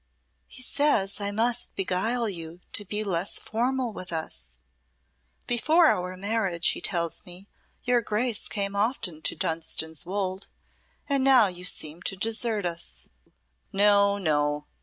"He says I must beguile you to be less formal with us. Before our marriage, he tells me, your Grace came often to Dunstan's Wolde, and now you seem to desert us." "No, no!"